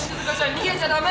逃げちゃダメ！